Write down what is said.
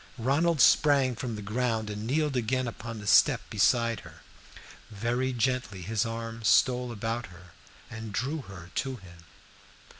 Ronald sprang from the ground and kneeled again upon the step beside her; very gently his arm stole about her and drew her to him.